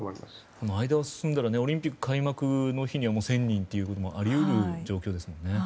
この間を進んだらオリンピック開幕の日には１０００人ということもあり得る状況ですもんね。